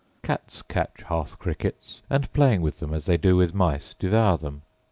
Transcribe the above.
Cats catch hearth crickets, and, playing with them as they do with mice, devour them.